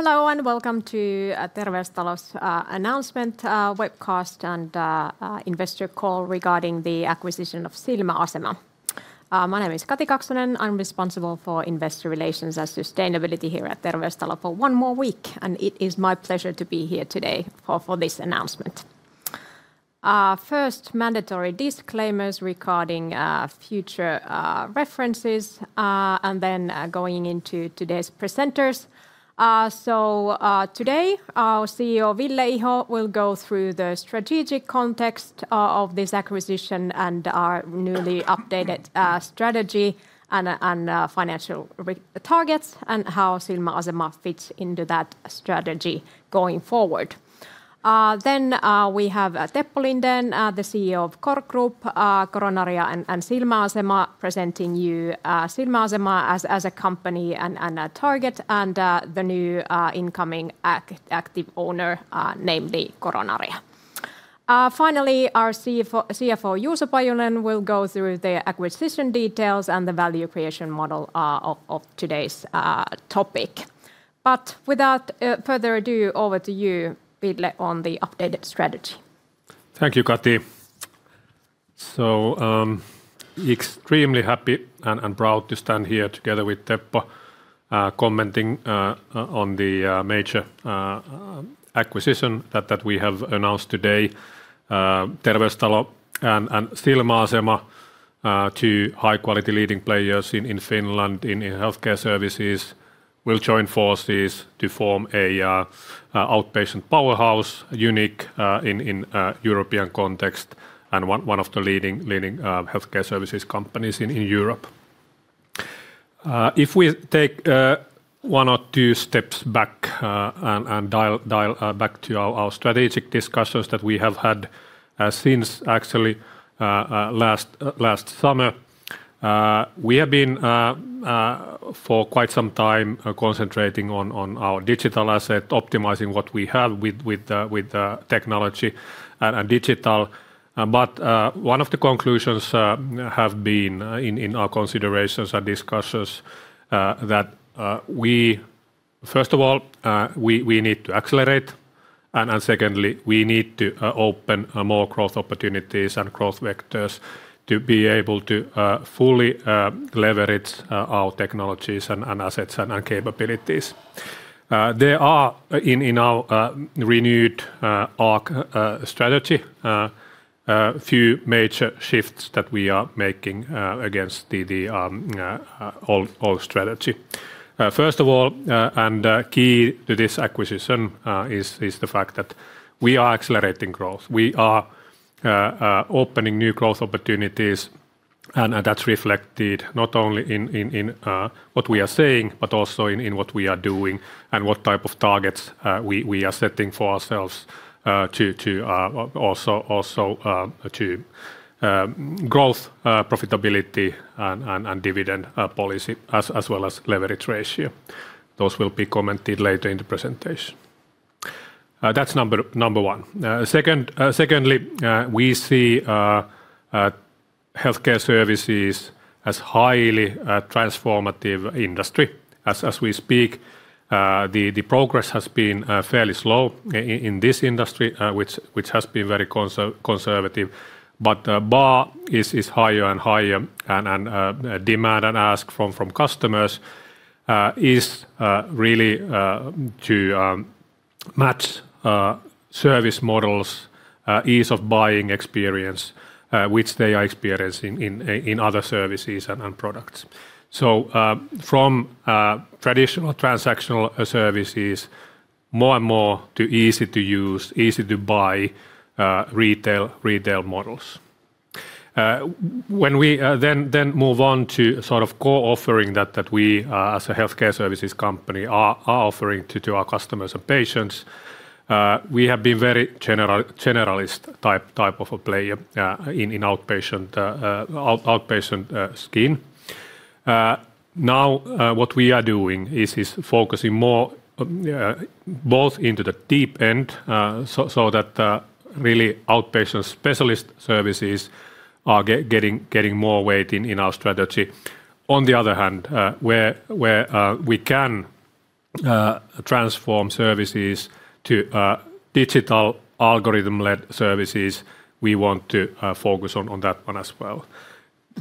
Hello, welcome to Terveystalo's announcement webcast and investor call regarding the acquisition of Silmäasema. My name is Kati Kaksonen. I am responsible for investor relations and sustainability here at Terveystalo for one more week, and it is my pleasure to be here today for this announcement. First, mandatory disclaimers regarding future references, going into today's presenters. Today, our CEO, Ville Iho, will go through the strategic context of this acquisition and our newly updated strategy and financial targets and how Silmäasema fits into that strategy going forward. We have Teppo Lindén, the CEO of Cor Group, Coronaria, and Silmäasema, presenting you Silmäasema as a company and a target and the new incoming active owner, namely Coronaria. Our CFO, Juuso Pajunen, will go through the acquisition details and the value creation model of today's topic. Without further ado, over to you, Ville, on the updated strategy. Thank you, Kati. Extremely happy and proud to stand here together with Teppo, commenting on the major acquisition that we have announced today. Terveystalo and Silmäasema, two high-quality leading players in Finland in healthcare services, will join forces to form an outpatient powerhouse, unique in European context and one of the leading healthcare services companies in Europe. If we take one or two steps back and dial back to our strategic discussions that we have had since actually last summer, we have been for quite some time concentrating on our digital asset, optimizing what we have with technology and digital. One of the conclusions have been, in our considerations and discussions, that first of all, we need to accelerate, and secondly, we need to open more growth opportunities and growth vectors to be able to fully leverage our technologies and assets and our capabilities. There are, in our renewed ARC strategy, a few major shifts that we are making against the old strategy. First of all, key to this acquisition, is the fact that we are accelerating growth. We are opening new growth opportunities, and that's reflected not only in what we are saying, but also in what we are doing and what type of targets we are setting for ourselves to also achieve growth, profitability, and dividend policy, as well as leverage ratio. Those will be commented later in the presentation. That's number one. Secondly, we see healthcare services as highly transformative industry. As we speak, the progress has been fairly slow in this industry, which has been very conservative. The bar is higher and higher, and demand and ask from customers is really to match service models' ease of buying experience which they are experiencing in other services and products. From traditional transactional services, more and more to easy to use, easy to buy retail models. We then move on to core offering that we, as a healthcare services company, are offering to our customers and patients, we have been very generalist type of a player in outpatient scheme. What we are doing is focusing more both into the deep end, so that really outpatient specialist services are getting more weight in our strategy. On the other hand, where we can transform services to digital algorithm-led services, we want to focus on that one as well.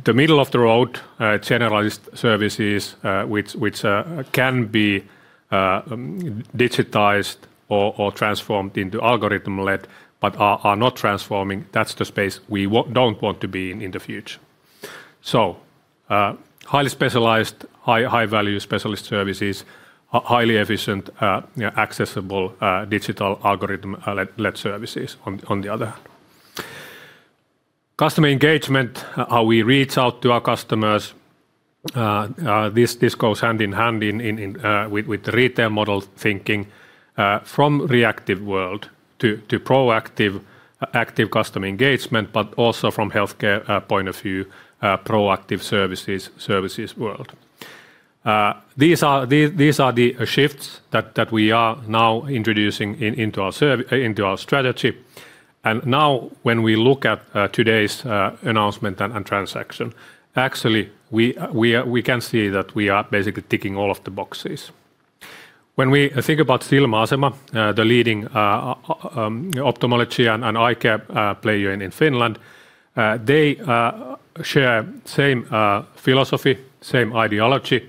The middle-of-the-road generalist services which can be digitized or transformed into algorithm-led but are not transforming, that's the space we don't want to be in the future. Highly specialized, high-value specialist services, highly efficient, accessible digital algorithm-led services on the other. Customer engagement, how we reach out to our customers, this goes hand in hand with retail model thinking, from reactive world to proactive, active customer engagement, but also from healthcare point of view, proactive services world. These are the shifts that we are now introducing into our strategy. Now when we look at today's announcement and transaction, actually, we can see that we are basically ticking all of the boxes. We think about Silmäasema, the leading ophthalmology and eye care player in Finland, they share same philosophy, same ideology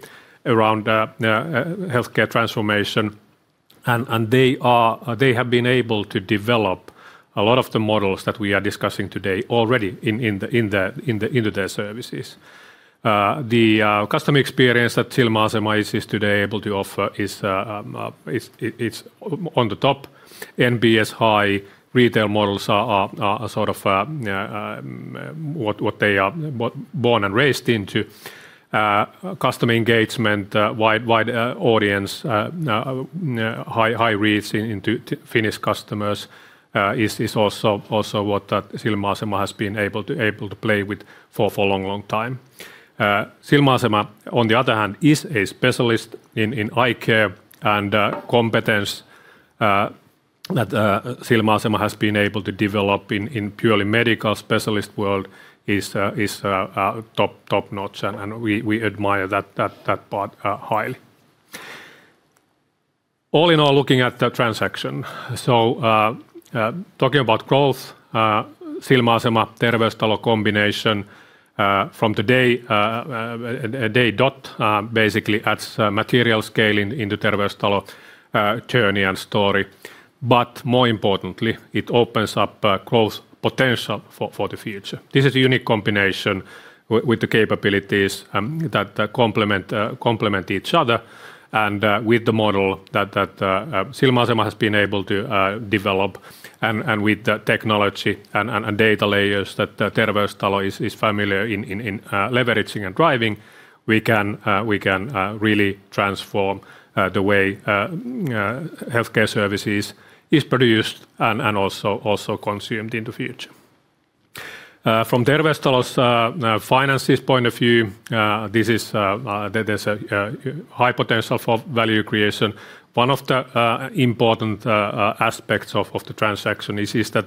around healthcare transformation. They have been able to develop a lot of the models that we are discussing today already into their services. The customer experience that Silmäasema is today able to offer is on the top, NPS high retail models are sort of what they are born and raised into. Customer engagement, wide audience, high reach into Finnish customers is also what Silmäasema has been able to play with for long time. Silmäasema, on the other hand, is a specialist in eye care and competence that Silmäasema has been able to develop in purely medical specialist world is top-notch, and we admire that part highly. All in all, looking at the transaction, so talking about growth, Silmäasema, Terveystalo combination from today basically adds material scale into Terveystalo journey and story. More importantly, it opens up growth potential for the future. This is a unique combination with the capabilities that complement each other and with the model that Silmäasema has been able to develop and with the technology and data layers that Terveystalo is familiar in leveraging and driving, we can really transform the way healthcare services is produced and also consumed in the future. From Terveystalo's finances point of view, there's a high potential for value creation. One of the important aspects of the transaction is that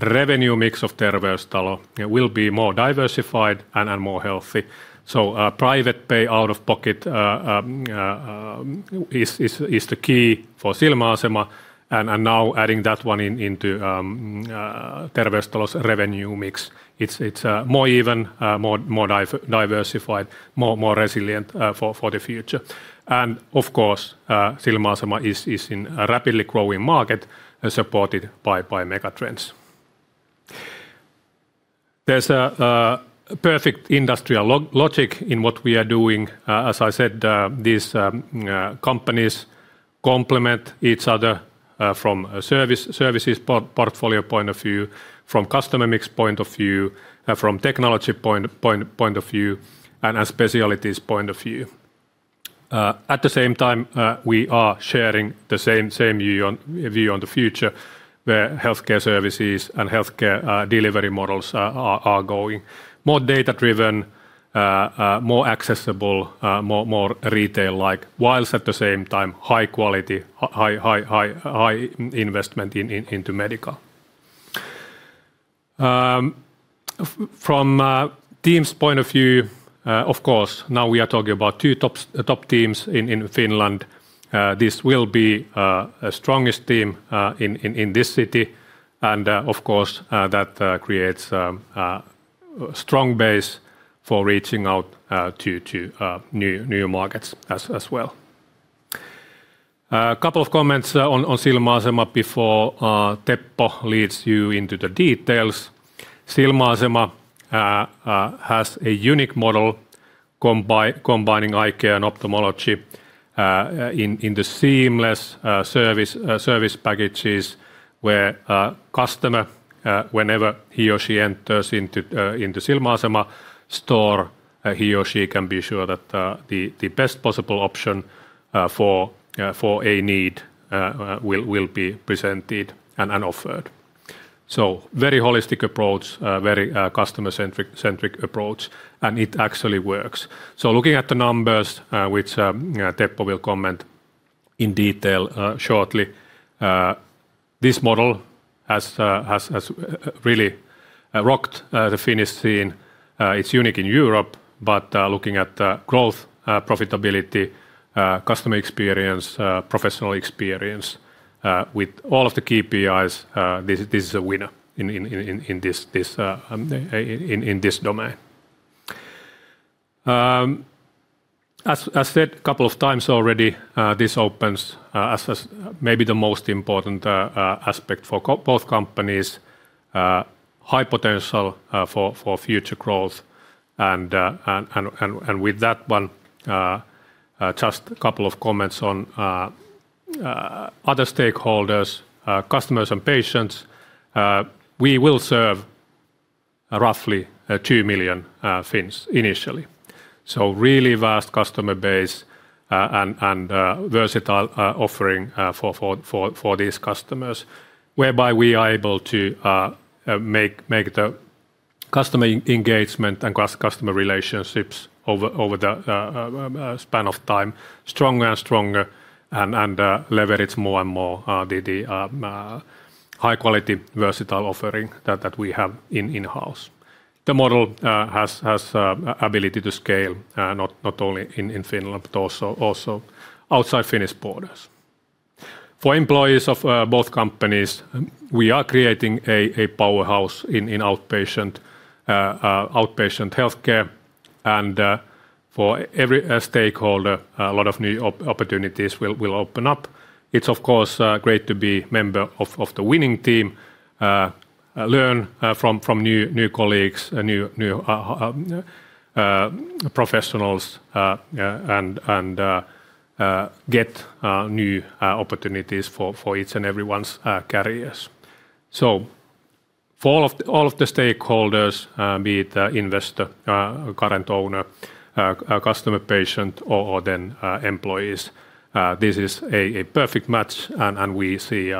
revenue mix of Terveystalo will be more diversified and more healthy. Private pay out of pocket is the key for Silmäasema, now adding that one into Terveystalo's revenue mix, it's more even, more diversified, more resilient for the future. Of course, Silmäasema is in a rapidly growing market supported by mega trends. There's a perfect industrial logic in what we are doing. As I said, these companies complement each other from services portfolio point of view, from customer mix point of view, from technology point of view, and specialties point of view. At the same time, we are sharing the same view on the future, where healthcare services and healthcare delivery models are going. More data-driven, more accessible, more retail-like, whilst at the same time, high quality, high investment into medical. From teams' point of view, of course, now we are talking about two top teams in Finland. This will be strongest team in this city, and of course, that creates a strong base for reaching out to new markets as well. A couple of comments on Silmäasema before Teppo leads you into the details. Silmäasema has a unique model combining eye care and ophthalmology in the seamless service packages where customer, whenever he or she enters into Silmäasema store, he or she can be sure that the best possible option for a need will be presented and offered. Very holistic approach, very customer-centric approach, and it actually works. Looking at the numbers, which Teppo will comment in detail shortly, this model has really rocked the Finnish scene. It's unique in Europe, looking at growth, profitability, customer experience, professional experience with all of the KPIs, this is a winner in this domain. As said a couple of times already, this opens as maybe the most important aspect for both companies, high potential for future growth. With that one, just a couple of comments on other stakeholders, customers and patients. We will serve roughly 2 million Finns initially. Really vast customer base and versatile offering for these customers, whereby we are able to make the customer engagement and customer relationships over the span of time stronger and stronger and leverage more and more the high-quality versatile offering that we have in-house. The model has ability to scale, not only in Finland, but also outside Finnish borders. For employees of both companies, we are creating a powerhouse in outpatient healthcare and for every stakeholder, a lot of new opportunities will open up. It's of course great to be a member of the winning team, learn from new colleagues, new professionals and get new opportunities for each and everyone's careers. For all of the stakeholders, be it investor, current owner, customer, patient, or then employees, this is a perfect match, and we see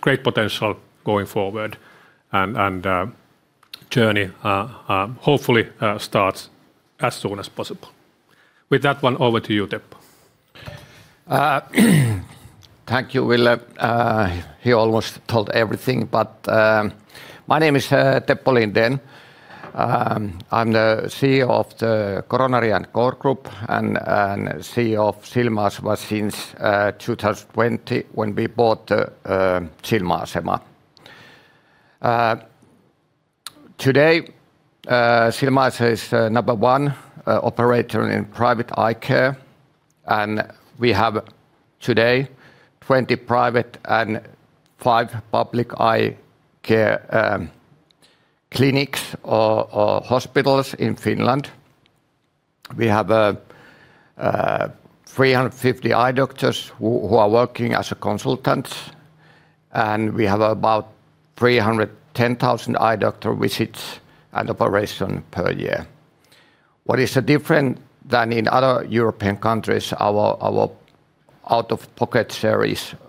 great potential going forward. Journey hopefully starts as soon as possible. With that one, over to you, Teppo. Thank you, Ville. He almost told everything. My name is Teppo Lindén. I'm the CEO of the Coronaria & Cor Group and CEO of Silmäasema since 2020 when we bought Silmäasema. Today, Silmäasema is number one operator in private eye care. We have today 20 private and five public eye care clinics or hospitals in Finland. We have 350 eye doctors who are working as consultants. We have about 310,000 eye doctor visits and operation per year. What is different than in other European countries, our out-of-pocket share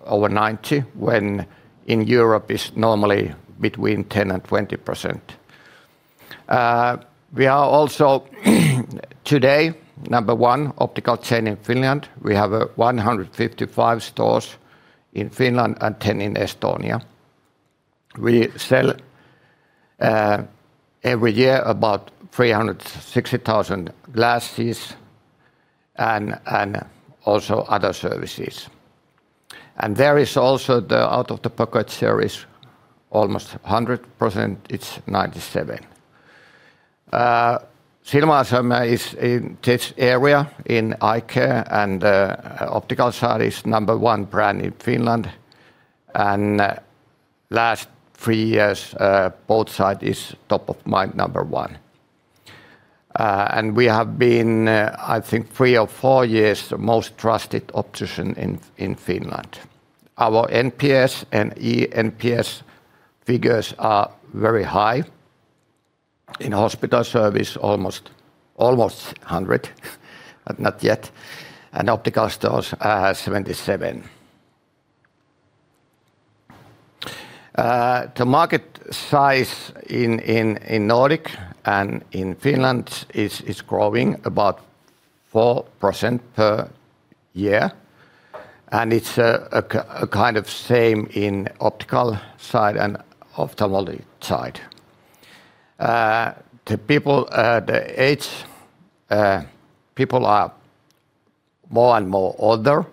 over 90%, when in Europe it's normally between 10% and 20%. We are also today, number one optical chain in Finland. We have 155 stores in Finland and 10 in Estonia. We sell every year about 360,000 glasses and also other services. There is also the out-of-pocket share, almost 100%, it's 97%. Silmäasema is in this area in eye care and optical side is number one brand in Finland, and last three years, both sides is top of mind number one. We have been I think three or four years the most trusted optician in Finland. Our NPS and eNPS figures are very high. In hospital service, almost 100, but not yet, and optical stores are 77. The market size in Nordic and in Finland is growing about 4% per year, and it's kind of same in optical side and ophthalmology side. The age, people are more and more older,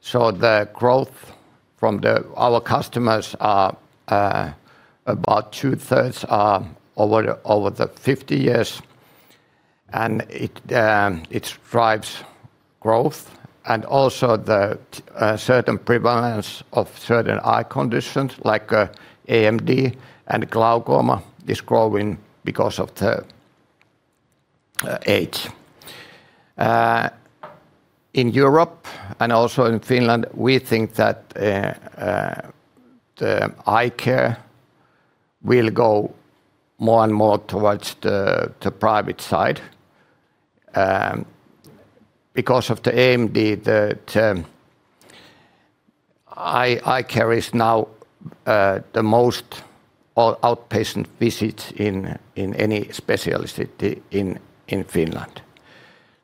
so the growth from our customers are about two-thirds are over 50 years, and it drives growth. Also the certain prevalence of certain eye conditions like AMD and glaucoma is growing because of the age. In Europe and also in Finland, we think that the eye care will go more and more towards the private side because of the AMD, the eye care is now the most outpatient visits in any specialty in Finland.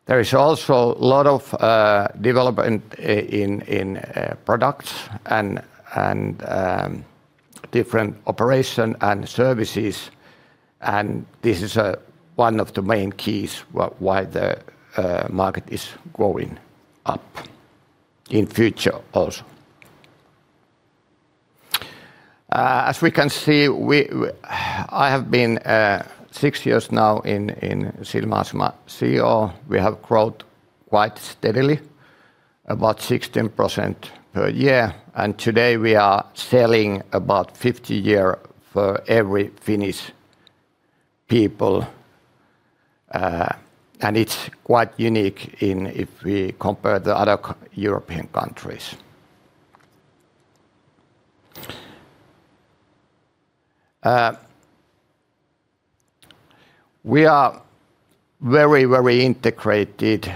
There is also a lot of development in products and different operation and services. This is one of the main keys why the market is growing up in future also. As we can see, I have been six years now in Silmäasema CEO. We have grown quite steadily, about 16% per year. Today we are selling about 50 for every Finnish people, and it's quite unique if we compare the other European countries. We are very integrated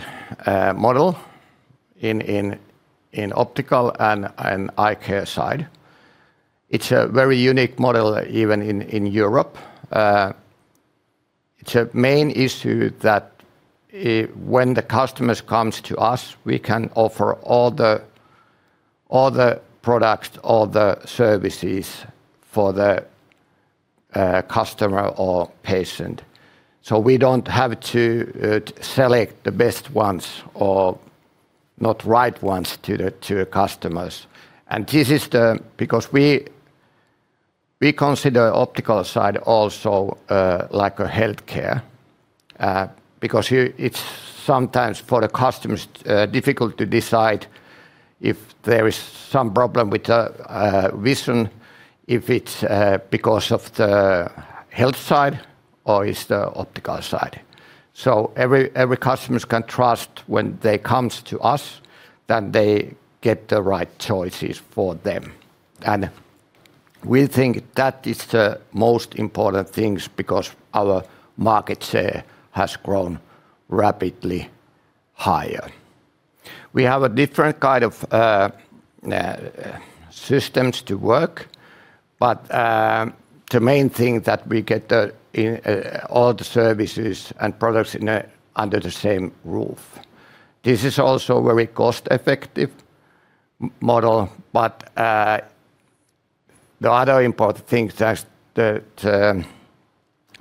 model in optical and eye care side. It's a very unique model even in Europe. It's a main issue that when the customers comes to us, we can offer all the products, all the services for the customer or patient. We don't have to select the best ones or not right ones to the customers. This is because we consider optical side also like a healthcare, because it's sometimes, for the customers, difficult to decide if there is some problem with the vision, if it's because of the health side or it's the optical side. Every customers can trust when they comes to us that they get the right choices for them. We think that is the most important things because our market share has grown rapidly higher. We have a different kind of systems to work, but the main thing that we get all the services and products under the same roof. This is also very cost effective model, the other important thing is that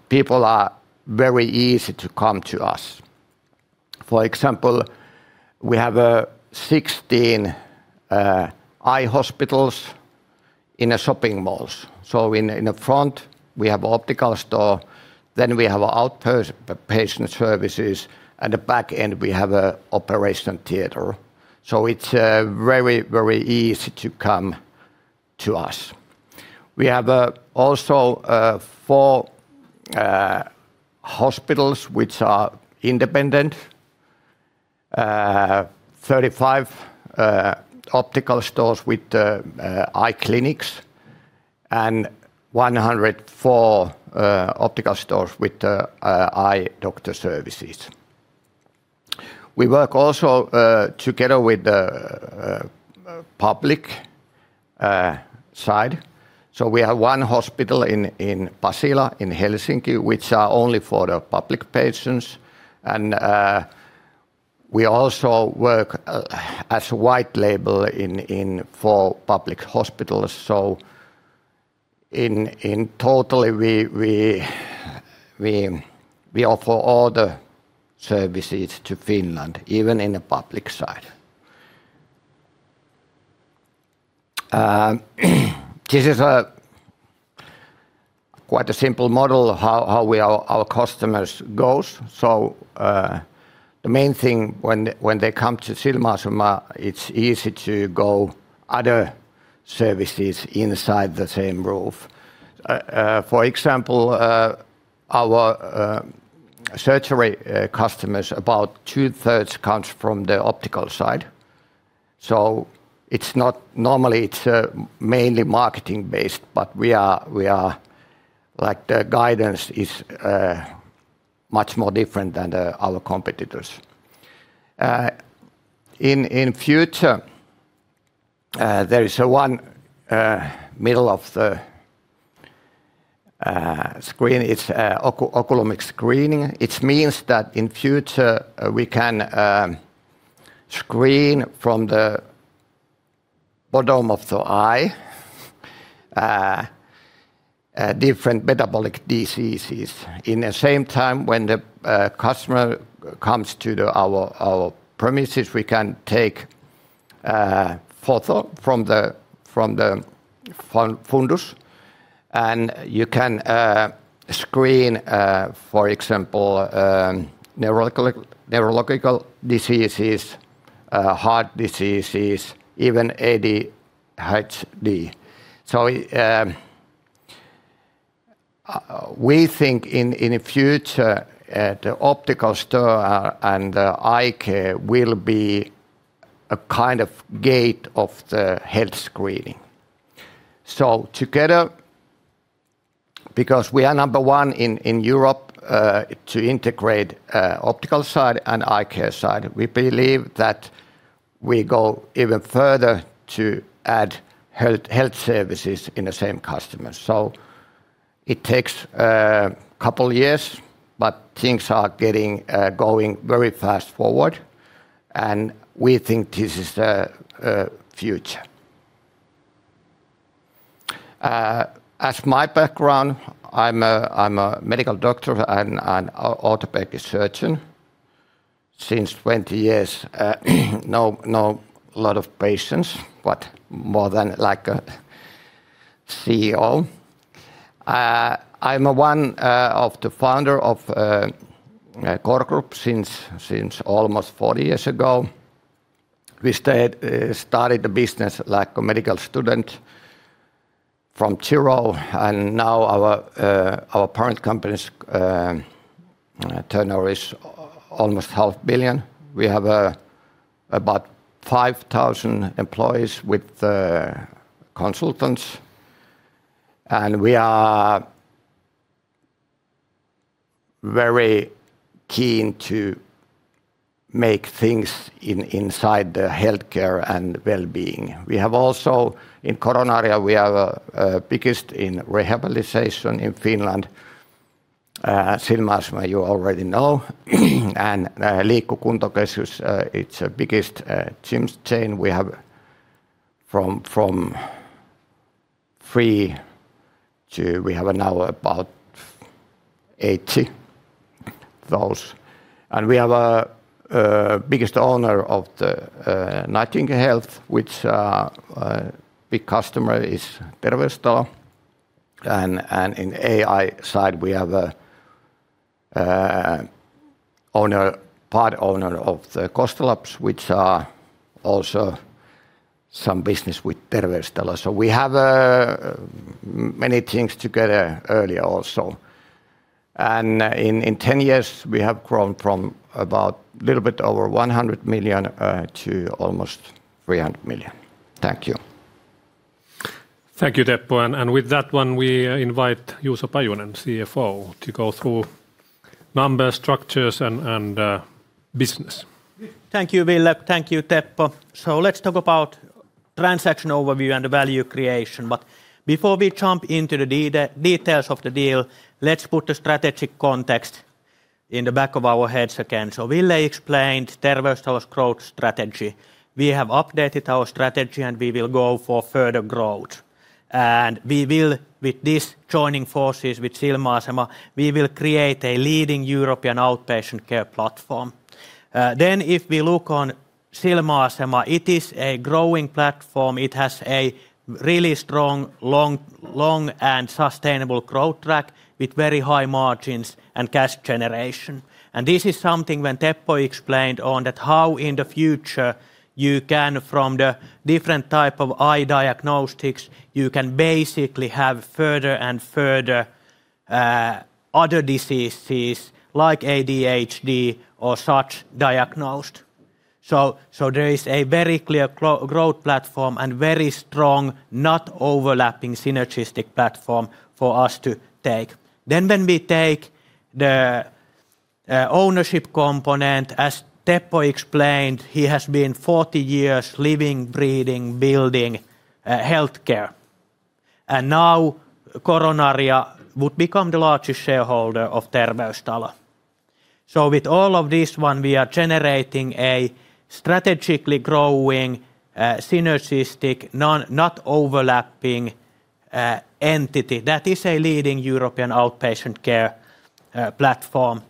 people are very easy to come to us. For example, we have 16 eye hospitals in a shopping malls. In the front we have optical store, we have outpatient services, at the back end we have a operation theater. It's very easy to come to us. We have also four hospitals which are independent, 35 optical stores with eye clinics and 104 optical stores with eye doctor services. We work also together with the public side. We have one hospital in Pasila in Helsinki, which are only for the public patients. We also work as white label for public hospitals. In total we offer all the services to Finland, even in the public side. This is quite a simple model how our customers goes. The main thing when they come to Silmäasema, it's easy to go other services inside the same roof. For example, our surgery customers, about two-thirds comes from the optical side. Normally it's mainly marketing based, but the guidance is much more different than our competitors. In future, there is one middle of the screen, it's oculomics screening. It means that in future we can screen from the bottom of the eye different metabolic diseases. In the same time when the customer comes to our premises we can take photo from the fundus and you can screen for example neurological diseases, heart diseases, even ADHD. We think in the future the optical store and eye care will be a kind of gate of the health screening. Together, because we are number one in Europe to integrate optical side and eye care side, we believe that we go even further to add health services in the same customer. It takes couple years, but things are going very fast forward and we think this is the future. As my background, I'm a medical doctor and an orthopedic surgeon since 20 years. Not a lot of patients, but more than like a CEO. I'm one of the founder of Cor Group since almost 40 years ago. We started the business like a medical student from zero and now our parent company's turnover is almost half billion. We have about 5,000 employees with consultants. And we are very keen to make things inside the healthcare and wellbeing. In Coronaria, we are the biggest in rehabilitation in Finland. Silmäasema, you already know. Kuntokeskus Liikku, it's the biggest gyms chain we have from 3 to about 80. We are the biggest owner of the Nightingale Health, which a big customer is Terveystalo. In AI side, we are part owner of the Gosta Labs, which also has some business with Terveystalo. We have many things together early also. In 10 years, we have grown from about little bit over 100 million to almost 300 million. Thank you. Thank you, Teppo. With that one, we invite Juuso Pajunen, CFO, to go through numbers, structures, and business. Thank you, Ville. Thank you, Teppo. Let's talk about transaction overview and value creation. Before we jump into the details of the deal, let's put the strategic context in the back of our heads again. Ville explained Terveystalo's growth strategy. We have updated our strategy, and we will go for further growth. We will, with this joining forces with Silmäasema, we will create a leading European outpatient care platform. If we look on Silmäasema, it is a growing platform. It has a really strong, long, and sustainable growth track with very high margins and cash generation. This is something when Teppo explained on that how in the future you can, from the different type of eye diagnostics, you can basically have further and further other diseases like ADHD or such diagnosed. There is a very clear growth platform and very strong, not overlapping synergistic platform for us to take. When we take the ownership component, as Teppo explained, he has been 40 years living, breathing, building healthcare. Now Coronaria would become the largest shareholder of Terveystalo. With all of this one, we are generating a strategically growing, synergistic, not overlapping entity that is a leading European outpatient care platform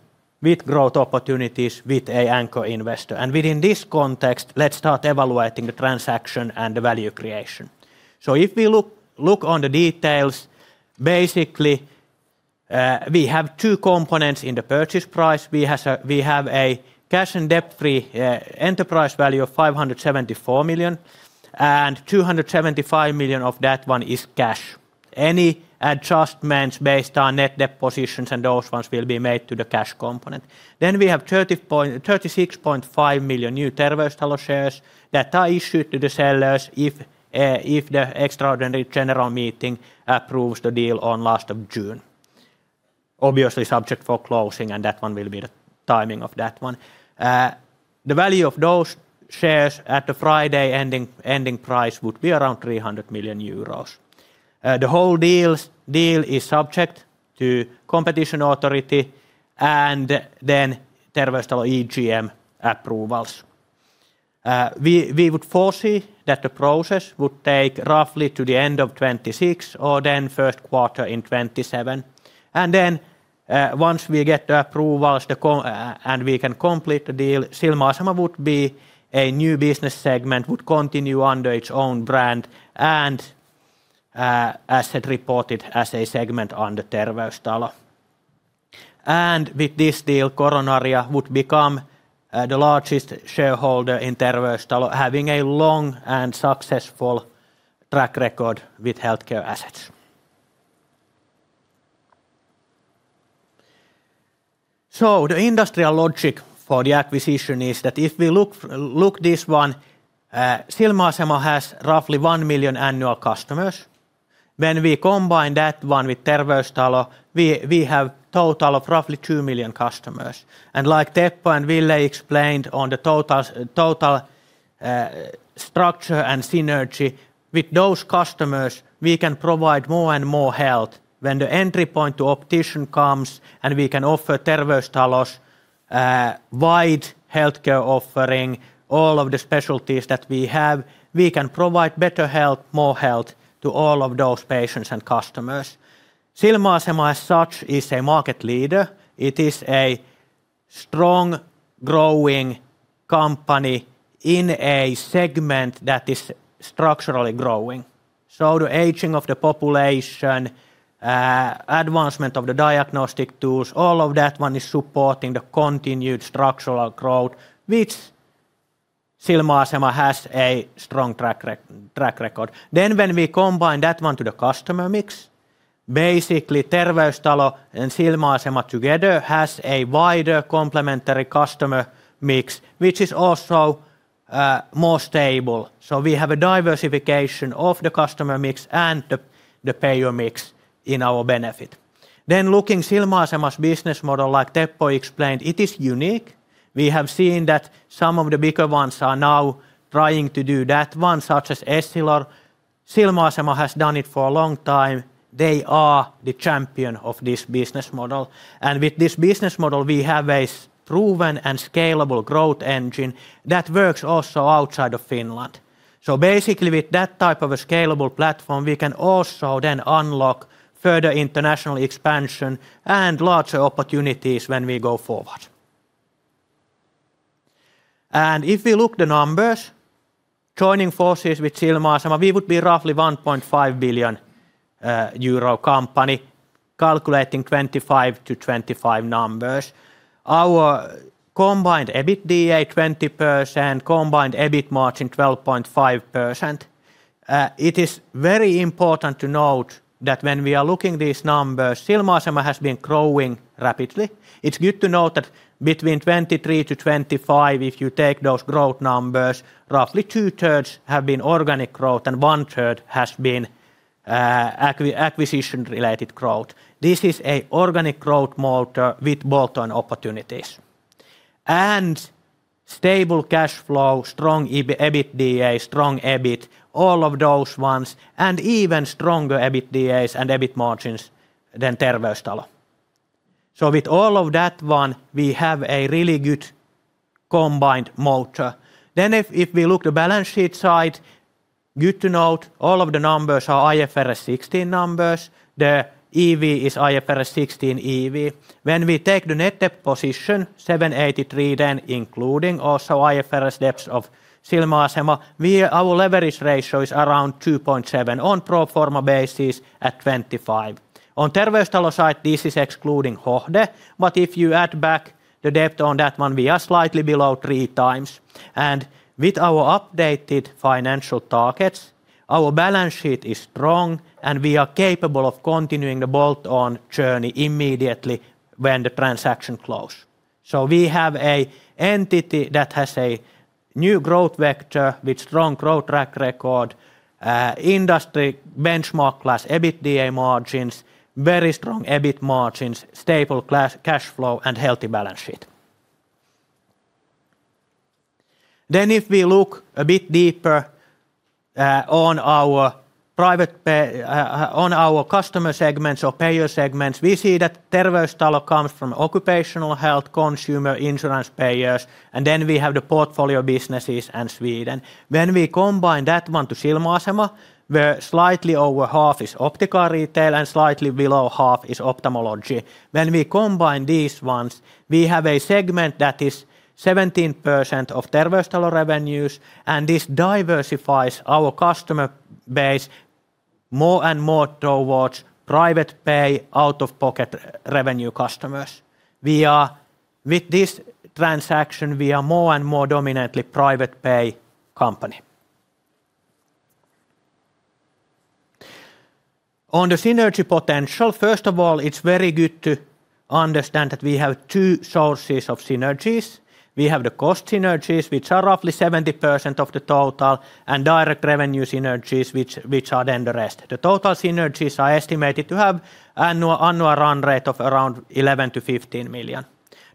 with growth opportunities with an anchor investor. Within this context, let's start evaluating the transaction and the value creation. If we look on the details, basically, we have two components in the purchase price. We have a cash and debt-free enterprise value of 574 million, and 275 million of that one is cash. Any adjustments based on net debt positions and those ones will be made to the cash component. We have 36.5 million new Terveystalo shares that are issued to the sellers if the extraordinary general meeting approves the deal on last of June. Obviously, subject for closing, and that one will be the timing of that one. The value of those shares at the Friday ending price would be around 300 million euros. The whole deal is subject to competition authority and Terveystalo EGM approvals. We would foresee that the process would take roughly to the end of this year. Once we get the approvals, and we can complete the deal, Silmäasema would be a new business segment, would continue under its own brand, and as reported as a segment under Terveystalo. With this deal, Coronaria would become the largest shareholder in Terveystalo, having a long and successful track record with healthcare assets. The industrial logic for the acquisition is that if we look this one, Silmäasema has roughly one million annual customers. When we combine that one with Terveystalo, we have total of roughly two million customers. Like Teppo and Ville explained on the total structure and synergy, with those customers, we can provide more and more health. When the entry point to optician comes, and we can offer Terveystalo's wide healthcare offering, all of the specialties that we have, we can provide better health, more health to all of those patients and customers. Silmäasema, as such, is a market leader. It is a strong, growing company in a segment that is structurally growing. The aging of the population, advancement of the diagnostic tools, all of that one is supporting the continued structural growth, which Silmäasema has a strong track record. When we combine that one to the customer mix, basically Terveystalo and Silmäasema together has a wider complementary customer mix, which is also more stable. We have a diversification of the customer mix and the payer mix in our benefit. Looking Silmäasema's business model, like Teppo explained, it is unique. We have seen that some of the bigger ones are now trying to do that, one such as Essilor. Silmäasema has done it for a long time. They are the champion of this business model. With this business model, we have a proven and scalable growth engine that works also outside of Finland. Basically, with that type of a scalable platform, we can also then unlock further international expansion and larger opportunities when we go forward. If we look the numbers, joining forces with Silmäasema, we would be roughly 1.5 billion euro company, calculating 2025 to 2025 numbers. Our combined EBITDA 20%, combined EBIT margin 12.5%. It's very important to note that when we are looking these numbers, Silmäasema has been growing rapidly. It's good to note that between 2023 to 2025, if you take those growth numbers, roughly 2/3 have been organic growth, and 1/3 has been acquisition-related growth. This is a organic growth motor with bolt-on opportunities. Stable cash flow, strong EBITDA, strong EBIT, all of those ones, and even stronger EBITDA and EBIT margins than Terveystalo. With all of that one, we have a really good combined motor. If we look the balance sheet side, good to note all of the numbers are IFRS 16 numbers. The EV is IFRS 16 EV. When we take the net debt position, 783 then including also IFRS debts of Silmäasema, our leverage ratio is around 2.7x on pro forma basis at 2025. On Terveystalo side, this is excluding Hohde, but if you add back the debt on that one, we are slightly below 3x. With our updated financial targets, our balance sheet is strong, and we are capable of continuing the bolt-on journey immediately when the transaction close. We have a entity that has a new growth vector with strong growth track record, industry benchmark class EBITDA margins, very strong EBIT margins, stable cash flow, and healthy balance sheet. If we look a bit deeper on our customer segments or payer segments, we see that Terveystalo comes from occupational health, consumer, insurance payers, and we have the portfolio businesses and Sweden. When we combine that one to Silmäasema, where slightly over half is optical retail and slightly below half is ophthalmology, when we combine these ones, we have a segment that is 17% of Terveystalo revenues, and this diversifies our customer base more and more towards private pay, out-of-pocket revenue customers. With this transaction, we are more and more dominantly private pay company. On the synergy potential, first of all, it's very good to understand that we have two sources of synergies. We have the cost synergies, which are roughly 70% of the total, and direct revenue synergies, which are then the rest. The total synergies are estimated to have annual run rate of around 11 million-15 million.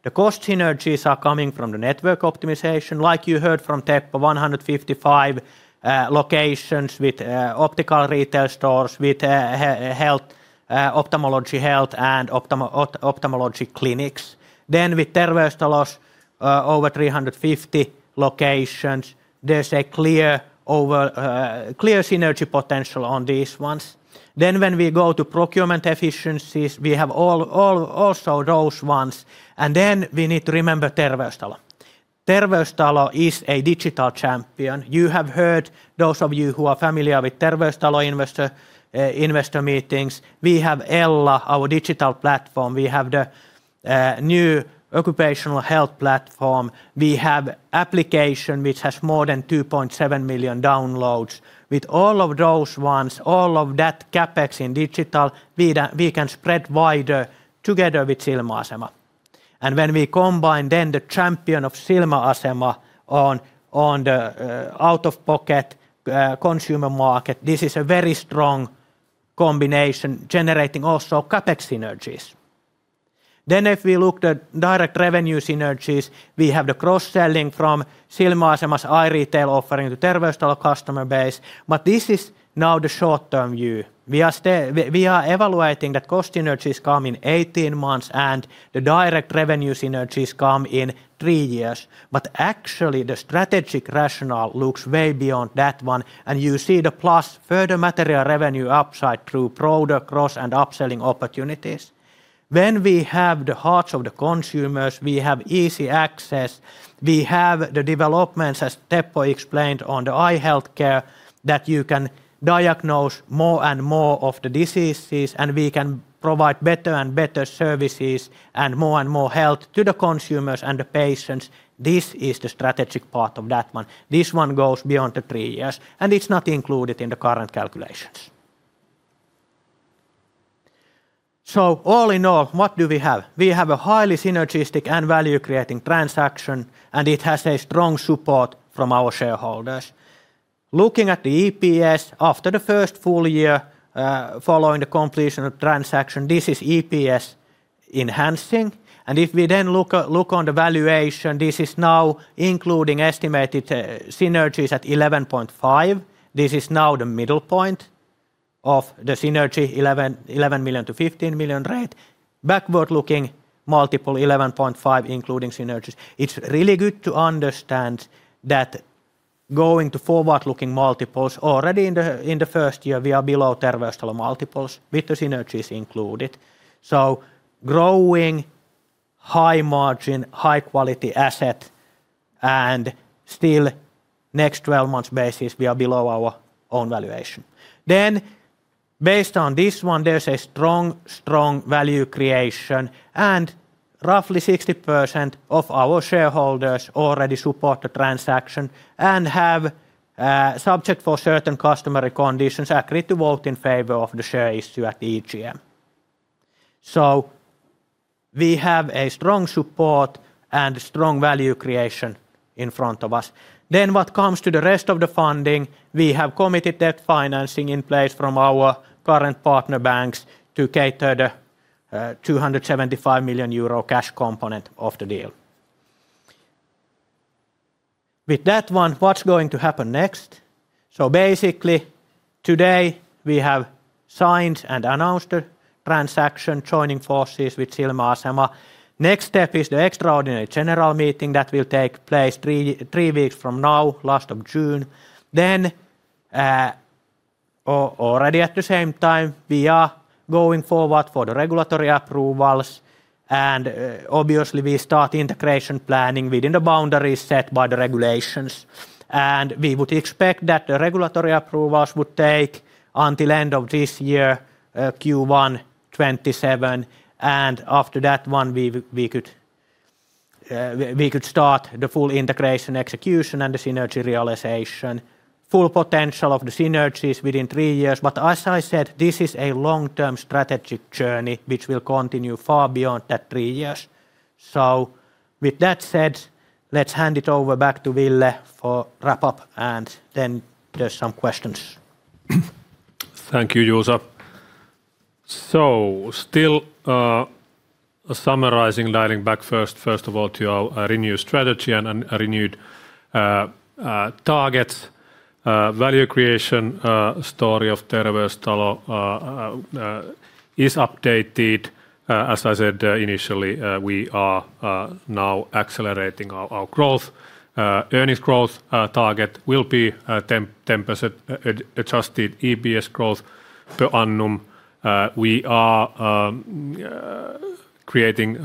The cost synergies are coming from the network optimization, like you heard from Teppo, 155 locations with optical retail stores, with ophthalmology health, and ophthalmology clinics. With Terveystalo's, over 350 locations. There's a clear synergy potential on these ones. When we go to procurement efficiencies, we have also those ones. We need to remember Terveystalo. Terveystalo is a digital champion. You have heard, those of you who are familiar with Terveystalo investor meetings, we have Ella, our digital platform. We have the new occupational health platform. We have application which has more than 2.7 million downloads. With all of those ones, all of that CapEx in digital, we can spread wider together with Silmäasema. When we combine the champion of Silmäasema on the out-of-pocket consumer market, this is a very strong combination, generating also CapEx synergies. If we look at direct revenue synergies, we have the cross-selling from Silmäasema's eye retail offering to Terveystalo customer base, but this is now the short-term view. We are evaluating that cost synergies come in 18 months, and the direct revenue synergies come in three years. Actually, the strategic rationale looks way beyond that one, and you see the plus further material revenue upside through broader cross and upselling opportunities. When we have the hearts of the consumers, we have easy access, we have the developments, as Teppo explained, on the eye healthcare, that you can diagnose more and more of the diseases, and we can provide better and better services and more and more health to the consumers and the patients. This is the strategic part of that one. This one goes beyond the three years, and it's not included in the current calculations. All in all, what do we have? We have a highly synergistic and value-creating transaction, and it has a strong support from our shareholders. Looking at the EPS after the first full year following the completion of transaction, this is EPS-enhancing. If we look on the valuation, this is now including estimated synergies at 11.5. This is now the middle point of the synergy 11 million-15 million rate. Backward-looking multiple 11.5, including synergies. It's really good to understand that going to forward-looking multiples already in the first year, we are below Terveystalo multiples with the synergies included. Growing high margin, high quality asset, and still next 12 months basis, we are below our own valuation. Based on this one, there's a strong value creation and roughly 60% of our shareholders already support the transaction and have, subject for certain customary conditions, agreed to vote in favor of the share issue at the EGM. We have a strong support and strong value creation in front of us. What comes to the rest of the funding, we have committed debt financing in place from our current partner banks to cater the 275 million euro cash component of the deal. With that one, what's going to happen next? Basically, today we have signed and announced a transaction joining forces with Silmäasema. Next step is the extraordinary general meeting that will take place three weeks from now, last of June. Already at the same time, we are going forward for the regulatory approvals, and obviously we start integration planning within the boundaries set by the regulations. We would expect that the regulatory approvals would take until end of this year, Q1 2027, and after that one, we could start the full integration execution and the synergy realization. Full potential of the synergy is within three years. As I said, this is a long-term strategic journey, which will continue far beyond that 3 years. With that said, let's hand it over back to Ville for wrap up, and then there's some questions. Thank you, Juuso. Still summarizing, dialing back first of all to our renewed strategy and renewed targets. Value creation story of Terveystalo is updated. As I said initially, we are now accelerating our growth. Earnings growth target will be 10% adjusted EPS growth per annum. We are creating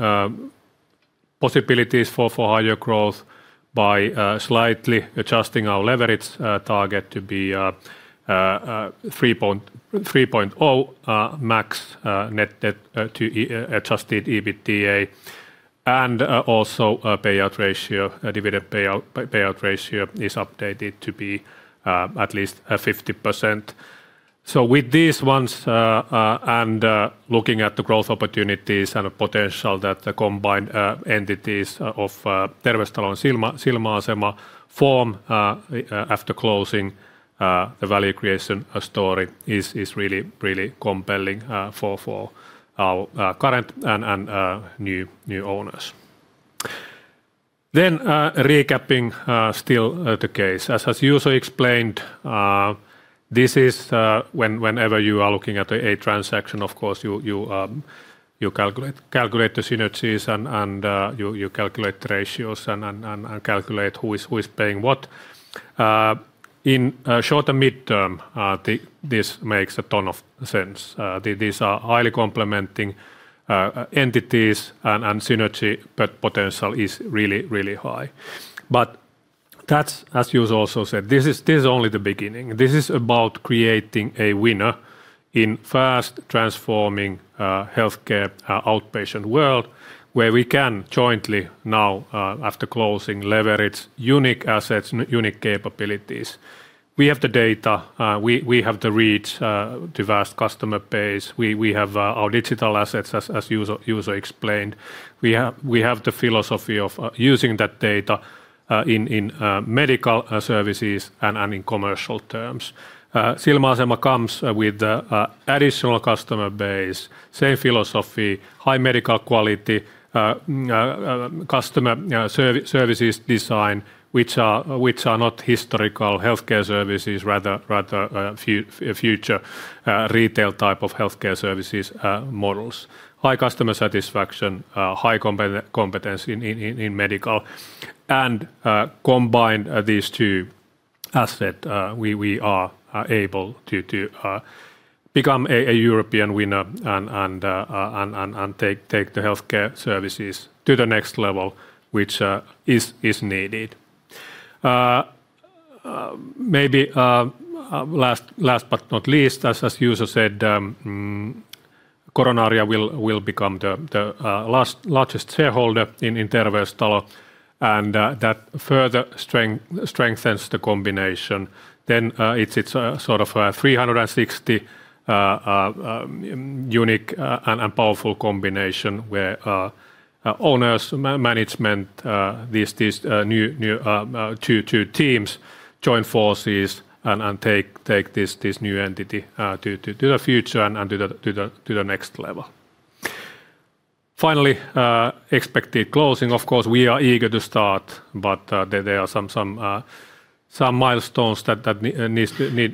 possibilities for higher growth by slightly adjusting our leverage target to be 3.0 max net debt to adjusted EBITDA, and also payout ratio, dividend payout ratio is updated to be at least 50%. With these ones, and looking at the growth opportunities and the potential that the combined entities of Terveystalo and Silmäasema form after closing, the value creation story is really compelling for our current and new owners. Recapping still the case. As Juuso explained, this is whenever you are looking at a transaction, of course, you calculate the synergies and you calculate ratios and calculate who is paying what. In short and mid-term, this makes a ton of sense. These are highly complementing entities and synergy potential is really high. That's, as Juuso also said, this is only the beginning. This is about creating a winner in fast transforming healthcare outpatient world, where we can jointly now after closing leverage unique assets, unique capabilities. We have the data. We have the reach to vast customer base. We have our digital assets, as Juuso explained. We have the philosophy of using that data in medical services and in commercial terms. Silmäasema comes with additional customer base, same philosophy, high medical quality, customer services design, which are not historical healthcare services, rather future retail type of healthcare services models. High customer satisfaction, high competence in medical, combine these two asset we are able to become a European winner and take the healthcare services to the next level, which is needed. Maybe last but not least, as Juuso said, Coronaria will become the largest shareholder in Terveystalo, and that further strengthens the combination. It's a sort of 360 unique and powerful combination where owners, management, these new two teams join forces and take this new entity to the future and to the next level. Finally, expected closing. Of course, we are eager to start, but there are some milestones that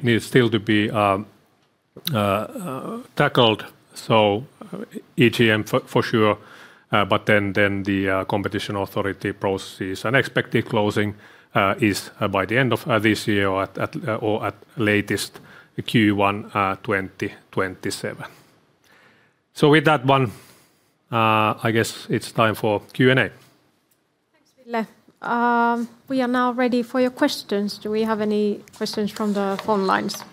need still to be tackled. EGM for sure, but then the competition authority processes. An expected closing is by the end of this year or at latest Q1 2027. With that one, I guess it's time for Q&A. Thanks, Ville. We are now ready for your questions. Do we have any questions from the phone lines?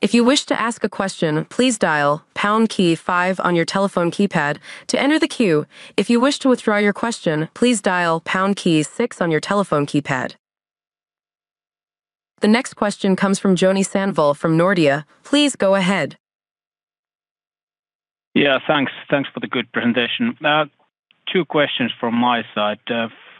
If you wish to ask a question, please dial pound key five on your telephone keypad to enter the queue. If you wish to withdraw your question, please dial pound key six on your telephone keypad. The next question comes from Joni Sandvall from Nordea. Please go ahead. Yeah, thanks. Thanks for the good presentation. Two questions from my side.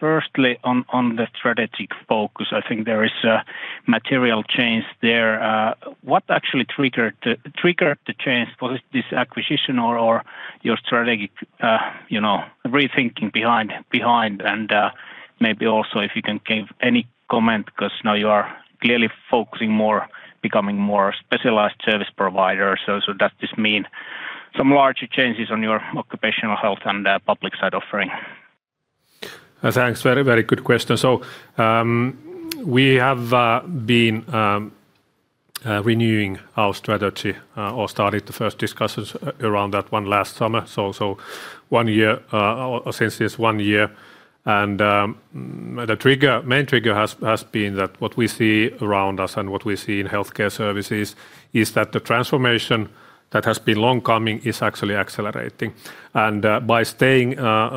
Firstly, on the strategic focus, I think there is a material change there. What actually triggered the change? Was it this acquisition or your strategic rethinking behind? Maybe also if you can give any comment because now you are clearly becoming more specialized service provider. Does this mean some larger changes on your occupational health and public side offering? Thanks. Very good question. We have been renewing our strategy or started the first discussions around that one last summer. Since this one year. The main trigger has been that what we see around us and what we see in healthcare services is that the transformation that has been long coming is actually accelerating. By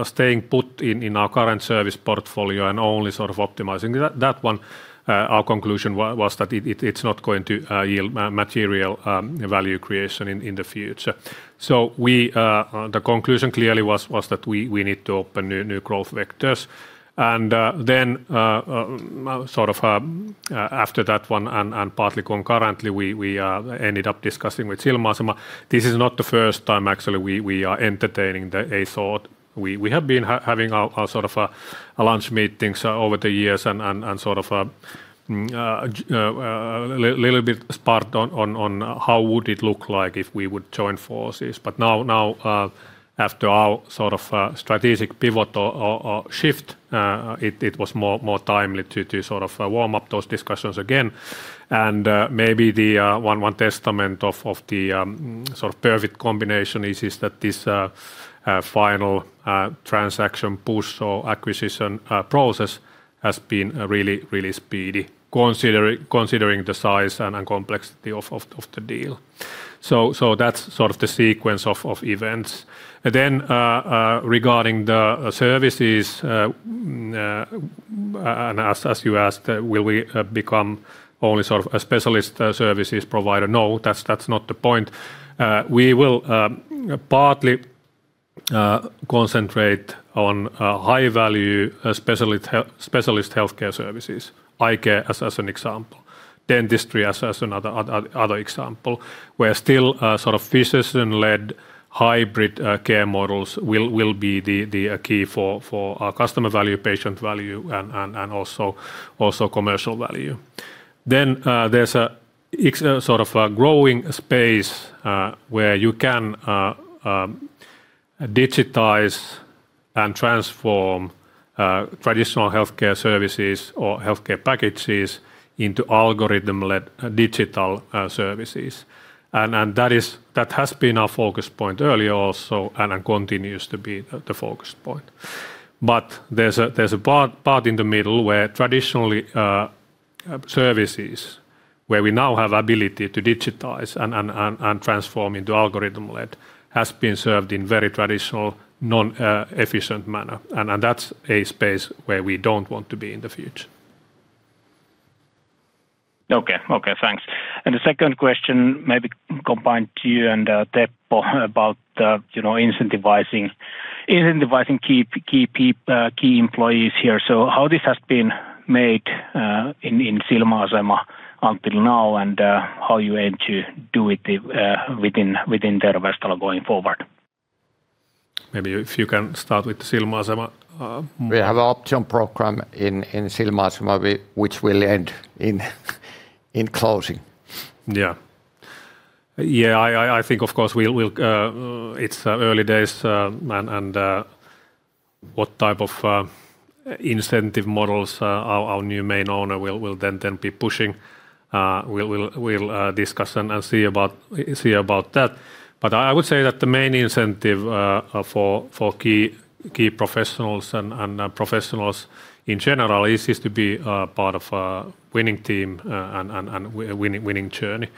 staying put in our current service portfolio and only sort of optimizing that one our conclusion was that it's not going to yield material value creation in the future. The conclusion clearly was that we need to open new growth vectors. Then after that one and partly concurrently, we ended up discussing with Silmäasema. This is not the first time actually we are entertaining a thought. We have been having our sort of lunch meetings over the years and sort of a little bit sparked on how would it look like if we would join forces. Now after our strategic pivot or shift, it was more timely to warm up those discussions again. Maybe the one testament of the perfect combination is that this final transaction push or acquisition process has been really speedy considering the size and complexity of the deal. That's sort of the sequence of events. Regarding the services, and as you asked, will we become only sort of a specialist services provider? No, that's not the point. We will partly concentrate on high-value specialist healthcare services, eye care as an example, dentistry as another example. Where still sort of physician-led hybrid care models will be the key for our customer value, patient value and also commercial value. There's a growing space where you can digitize and transform traditional healthcare services or healthcare packages into algorithm-led digital services. That has been our focus point earlier also and continues to be the focus point. There's a part in the middle where traditionally services where we now have ability to digitize and transform into algorithm-led has been served in very traditional non-efficient manner. That's a space where we don't want to be in the future. Okay. Thanks. The second question may be combined to you and Teppo about incentivizing key employees here. How this has been made in Silmäasema until now and how you aim to do it within Terveystalo going forward? Maybe if you can start with Silmäasema. We have an option program in Silmäasema which will end in closing. Yeah. I think, of course, it's early days. What type of incentive models our new main owner will then be pushing we'll discuss and see about that. I would say that the main incentive for key professionals and professionals in general is to be part of a winning team and winning journey.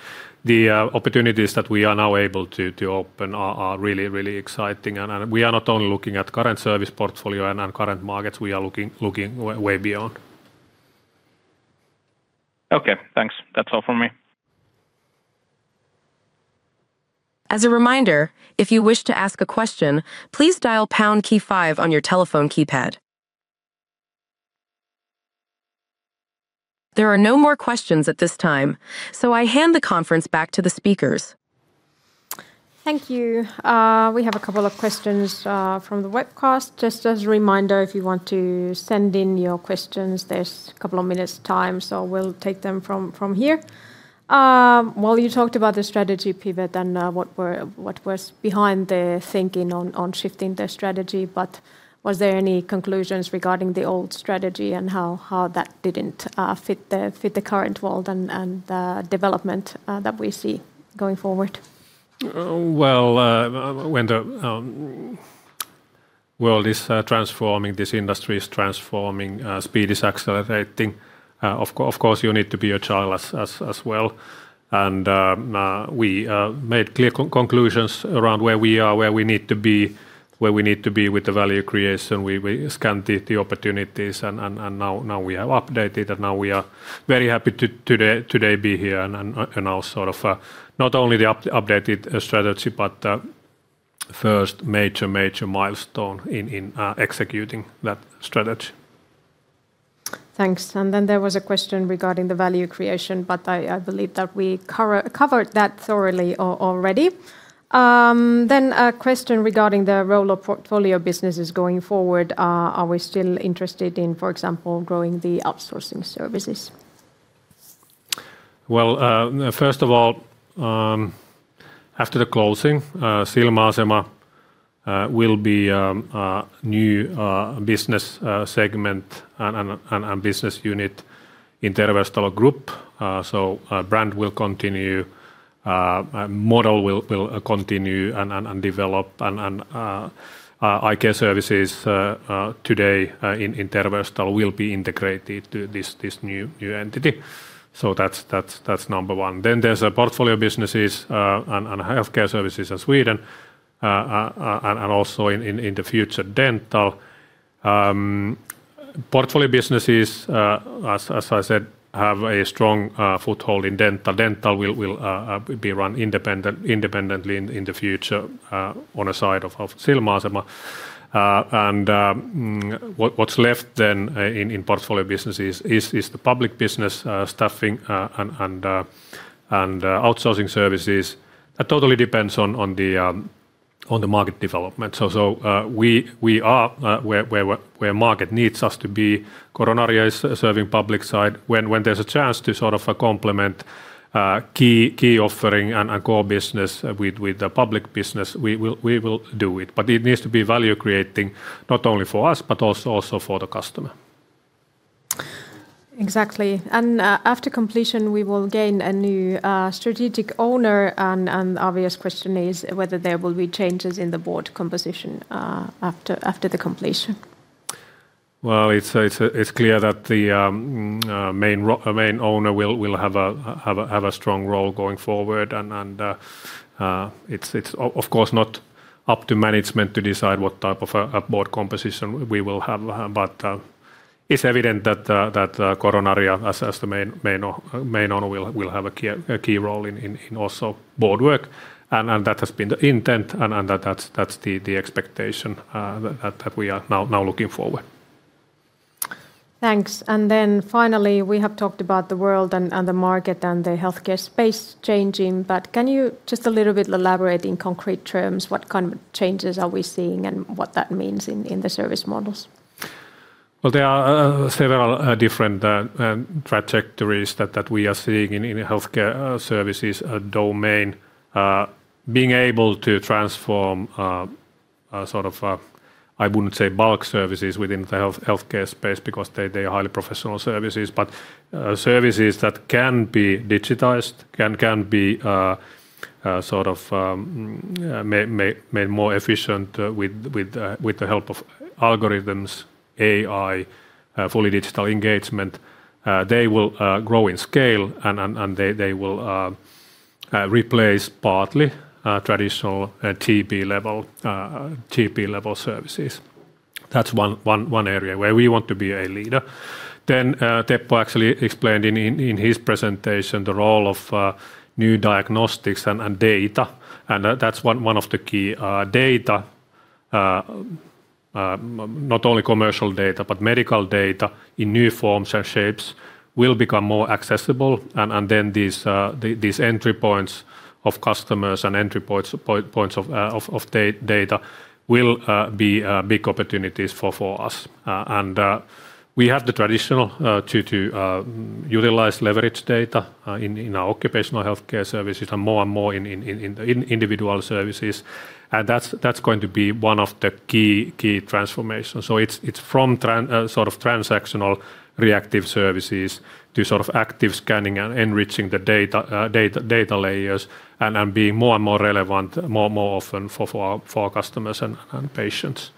The opportunities that we are now able to open are really exciting. We are not only looking at current service portfolio and current markets, we are looking way beyond. Okay, thanks. That's all from me. As a reminder, if you wish to ask a question, please dial pound key five on your telephone keypad. There are no more questions at this time. I hand the conference back to the speakers. Thank you. We have a couple of questions from the webcast. Just as a reminder, if you want to send in your questions, there's a couple of minutes' time, so we'll take them from here. Well, you talked about the strategy pivot and what was behind the thinking on shifting the strategy, but were there any conclusions regarding the old strategy and how that didn't fit the current world and the development that we see going forward? Well, when the world is transforming, this industry is transforming, speed is accelerating, of course, you need to be agile as well. We made clear conclusions around where we are, where we need to be, where we need to be with the value creation. We scanned the opportunities, and now we have updated, and now we are very happy to today be here and now sort of not only the updated strategy, but the first major milestone in executing that strategy. Thanks. There was a question regarding the value creation, but I believe that we covered that thoroughly already. A question regarding the role of portfolio businesses going forward. Are we still interested in, for example, growing the outsourcing services? Well, first of all, after the closing, Silmäasema will be a new business segment and business unit in Terveystalo Group. Brand will continue, model will continue and develop, and eye care services today in Terveystalo will be integrated to this new entity. That's number 1. There's portfolio businesses and healthcare services in Sweden, and also in the future, dental. Portfolio businesses, as I said, have a strong foothold in dental. Dental will be run independently in the future on a side of Silmäasema. What's left then in portfolio businesses is the public business staffing and outsourcing services. That totally depends on the market development. We are where market needs us to be. Coronaria is serving public side. When there's a chance to sort of complement key offering and core business with the public business, we will do it. It needs to be value creating, not only for us, but also for the customer. Exactly. After completion, we will gain a new strategic owner, the obvious question is whether there will be changes in the board composition after the completion. It's clear that the main owner will have a strong role going forward, it's of course not up to management to decide what type of a board composition we will have. It's evident that Coronaria, as the main owner, will have a key role in also board work, that has been the intent and that's the expectation that we are now looking forward. Thanks. Finally, we have talked about the world and the market and the healthcare space changing, can you just a little bit elaborate in concrete terms what kind of changes are we seeing and what that means in the service models? Well, there are several different trajectories that we are seeing in healthcare services domain. Being able to transform sort of, I wouldn't say bulk services within the healthcare space because they are highly professional services, but services that can be digitized, can be sort of made more efficient with the help of algorithms, AI, fully digital engagement. They will grow in scale, and they will replace partly traditional TP level services. That's one area where we want to be a leader. Teppo actually explained in his presentation the role of new diagnostics and data, and that's one of the key data, not only commercial data, but medical data in new forms and shapes will become more accessible. These entry points of customers and entry points of data will be big opportunities for us. We have the traditional to utilize leverage data in our occupational healthcare services and more and more in individual services, and that's going to be one of the key transformations. It's from sort of transactional reactive services to sort of active scanning and enriching the data layers and being more and more relevant more and more often for our customers and patients.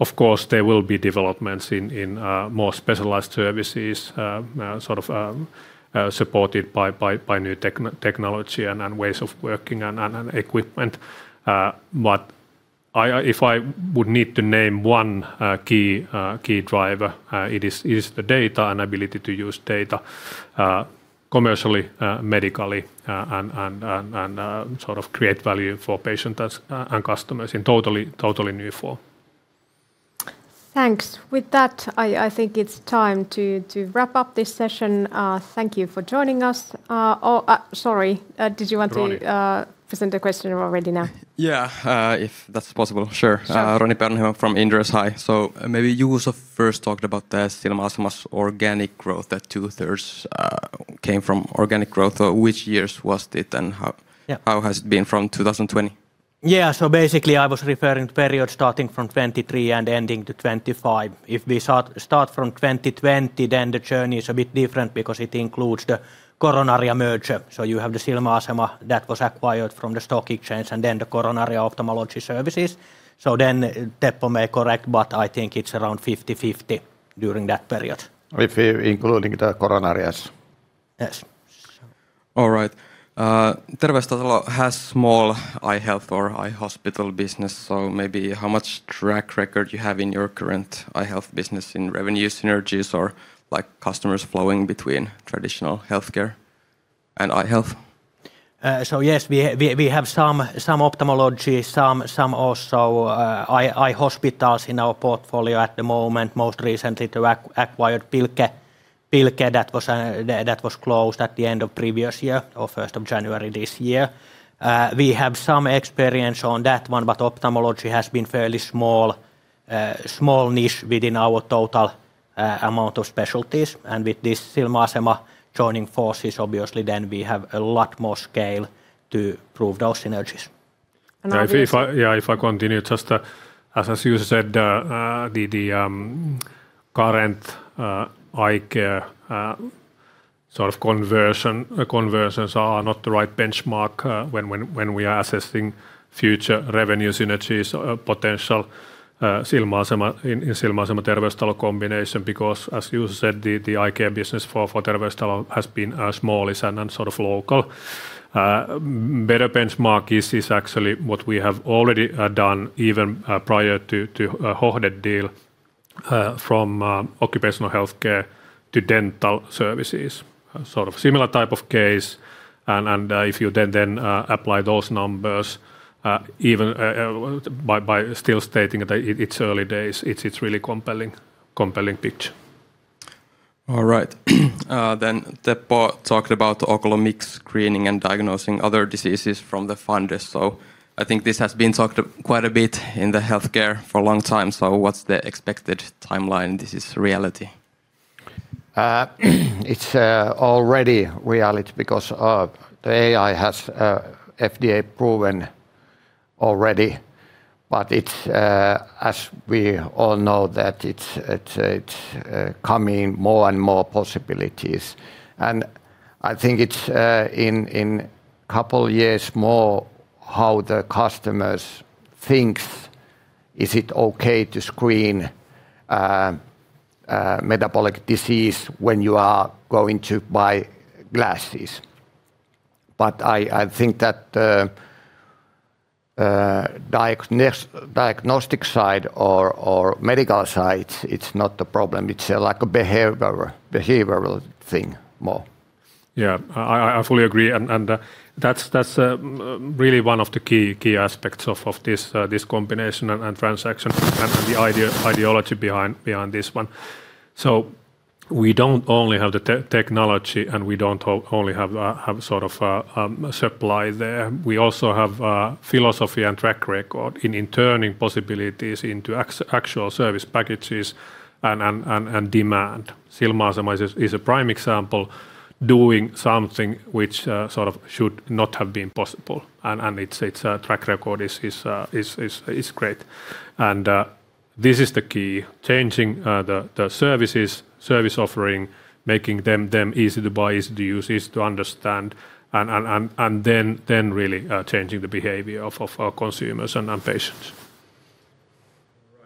Of course, there will be developments in more specialized services, sort of supported by new technology and ways of working and equipment. If I would need to name one key driver, it is the data and ability to use data commercially, medically, and create value for patients and customers in totally new form. Thanks. With that, I think it's time to wrap up this session. Thank you for joining us. Sorry, did you want to- Roni present a question already now? Yeah, if that's possible, sure. Roni Peuranheimo from Inderes. Hi. Maybe you first talked about the Silmäasema's organic growth, that two-thirds came from organic growth. Which years was it, and how has it been from 2020? Yeah. Basically, I was referring to the period starting from 2023 and ending to 2025. If we start from 2020, then the journey is a bit different because it includes the Coronaria merger. You have the Silmäasema that was acquired from the stock exchange, and then the Coronaria Eye Hospital. Teppo may correct, but I think it's around 50-50 during that period. If we're including the Coronarias. Yes. All right. Terveystalo has small eye health or eye hospital business, so maybe how much track record you have in your current eye health business in revenue synergies or customers flowing between traditional healthcare and eye health? Yes, we have some ophthalmology, some also eye hospitals in our portfolio at the moment, most recently the acquired Pilke that was closed at the end of previous year or 1st of January this year. We have some experience on that one, but ophthalmology has been fairly small niche within our total amount of specialties. With this Silmäasema joining forces, obviously, then we have a lot more scale to prove those synergies. If I continue, just as you said, the current eye care conversions are not the right benchmark when we are assessing future revenue synergies potential in Silmäasema Terveystalo combination because, as you said, the eye care business for Terveystalo has been smallish and local. Better benchmark is actually what we have already done even prior to Hohde deal from occupational healthcare to dental services, similar type of case. If you then apply those numbers by still stating that it's early days, it's really compelling picture. All right. Teppo talked about oculomics screening and diagnosing other diseases from the fundus. I think this has been talked quite a bit in the healthcare for a long time. What's the expected timeline this is reality? It's already reality because the AI has FDA proven already. As we all know that it's coming more and more possibilities. I think it's in couple years more how the customers thinks, is it okay to screen metabolic disease when you are going to buy glasses? I think that diagnostic side or medical side, it's not the problem. It's a behavioral thing more. Yeah, I fully agree, and that's really one of the key aspects of this combination and transaction and the ideology behind this one. We don't only have the technology and we don't only have a supply there, we also have a philosophy and track record in turning possibilities into actual service packages and demand. Silmäasema is a prime example, doing something which should not have been possible, and its track record is great. This is the key, changing the services, service offering, making them easy to buy, easy to use, easy to understand, and then really changing the behavior of our consumers and patients. All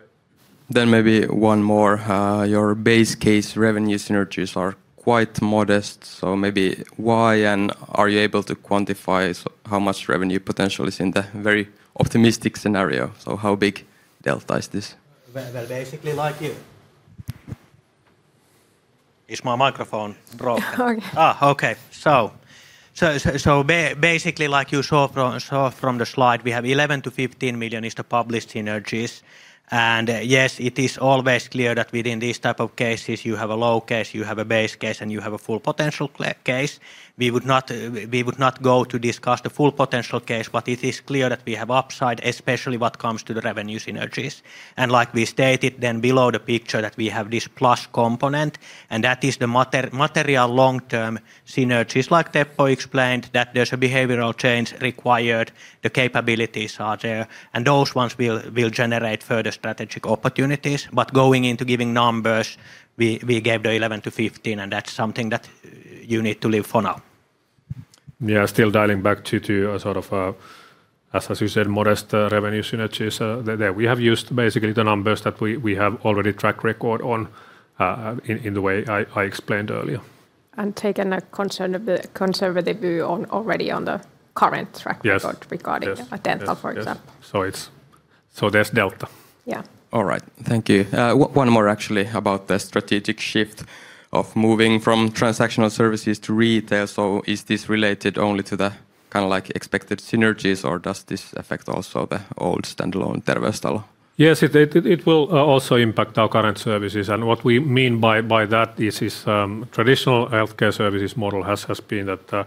right. Maybe one more. Your base case revenue synergies are quite modest, so maybe why, and are you able to quantify how much revenue potential is in the very optimistic scenario? How big delta is this? Well, basically like you Is my microphone broken? Okay. Okay. Basically, like you saw from the slide, we have 11 million-15 million is the published synergies. Yes, it is always clear that within these type of cases you have a low case, you have a base case, and you have a full potential case. We would not go to discuss the full potential case, but it is clear that we have upside, especially what comes to the revenue synergies. Like we stated then below the picture that we have this plus component, and that is the material long-term synergies. Like Teppo explained, there's a behavioral change required, the capabilities are there, and those ones will generate further strategic opportunities. Going into giving numbers, we gave the 11 million-15 million, and that's something that you need to live for now. Still dialing back to, as you said, modest revenue synergies there. We have used basically the numbers that we have already track record on in the way I explained earlier. Taken a conservative view already on the current track record regarding dental, for example. Yes. There's delta. Yeah. All right. Thank you. One more, actually, about the strategic shift of moving from transactional services to retail. Is this related only to the expected synergies, or does this affect also the old standalone Terveystalo? Yes, it will also impact our current services. What we mean by that is traditional healthcare services model has been that,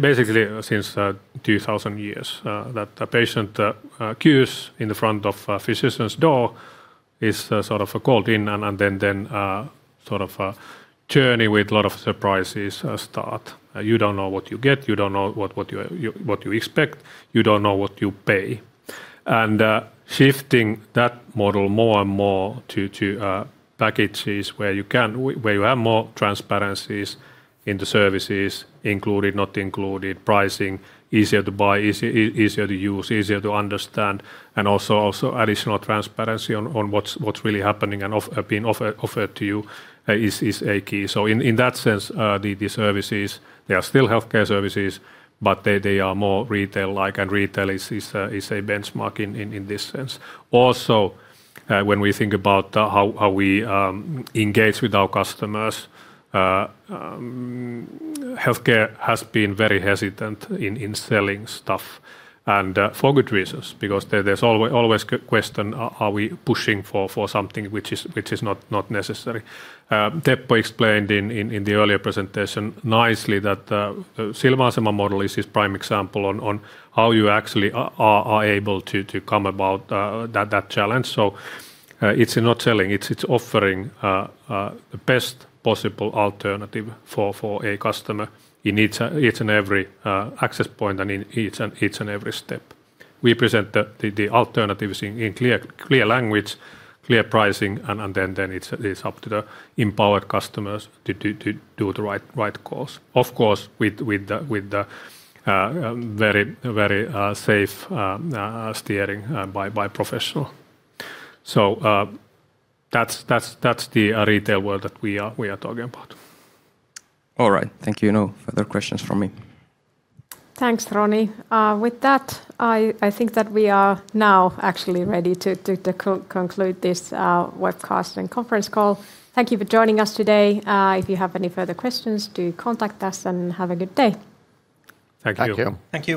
basically since 2,000 years, that the patient queues in the front of a physician's door, is called in, and then a journey with a lot of surprises start. You don't know what you get, you don't know what you expect, you don't know what you pay. Shifting that model more and more to packages where you have more transparencies in the services, included, not included, pricing, easier to buy, easier to use, easier to understand, and also additional transparency on what's really happening and being offered to you is a key. In that sense, the services, they are still healthcare services, but they are more retail-like, and retail is a benchmark in this sense. Also, when we think about how we engage with our customers, healthcare has been very hesitant in selling stuff, and for good reasons, because there's always question, are we pushing for something which is not necessary? Teppo explained in the earlier presentation nicely that Silmäasema model is his prime example on how you actually are able to come about that challenge. It's not selling, it's offering the best possible alternative for a customer in each and every access point and in each and every step. We present the alternatives in clear language, clear pricing, and then it's up to the empowered customers to do the right cause. Of course, with the very safe steering by professional. That's the retail world that we are talking about. All right. Thank you. No further questions from me. Thanks, Roni. With that, I think that we are now actually ready to conclude this webcast and conference call. Thank you for joining us today. If you have any further questions, do contact us, and have a good day. Thank you.